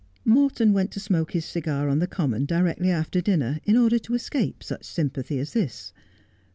Morton went to smoke his cigar on the common directly after dinner in order to escape such sympathy as this.